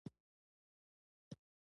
د چین توفا ودې د نړۍ پام ځان ته ور اړولی دی.